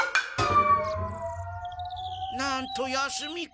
なんと休みか。